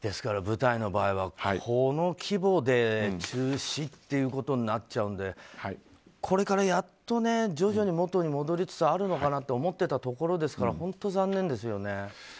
舞台はこの規模で中止ということになっちゃうんでこれからやっと、徐々にもとに戻りつつあるのかなと思っていたところですが本当残念ですよね。